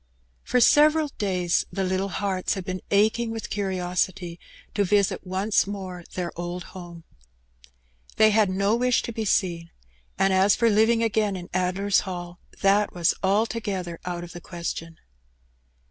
For several days the little hearts had been aching with curiosity to visit once more their old home. They had no wish to be seen, and as for living again in Addler's Hall, that was altogether out of the question.